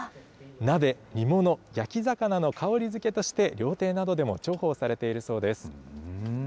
鍋、煮物、焼き魚の香りづけとして、料亭などでも重宝されているそうです。